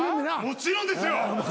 もちろんですよ！